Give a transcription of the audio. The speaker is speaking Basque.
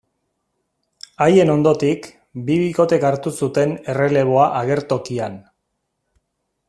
Haien ondotik, bi bikotek hartu zuten erreleboa agertokian.